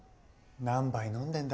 何杯飲んでんだ？